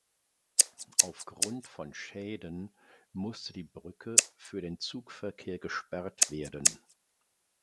Aufgrund von Schäden musste die Brücke für den Zugverkehr gesperrt werden.